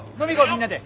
みんなで。